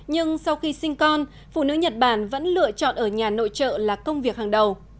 nhưng sau khi sinh con phụ nữ nhật bản vẫn lựa chọn ở nhà nội trợ là công việc hàng đầu